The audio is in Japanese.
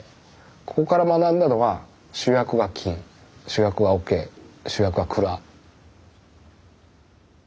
ここから学んだのは主役は菌主役は桶主役は蔵。